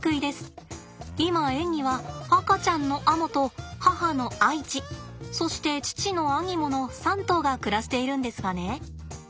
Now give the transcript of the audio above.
今園には赤ちゃんのアモと母のアイチそして父のアニモの３頭が暮らしているんですがね？